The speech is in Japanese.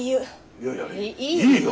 いやいやいいよ。